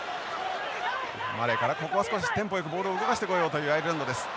マリーからここは少しテンポよくボールを動かしてこようというアイルランドです。